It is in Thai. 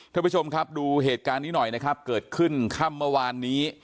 ท่านผู้ชมครับดูเหตุการณ์นี้หน่อยนะครับเกิดขึ้นค่ำเมื่อวานนี้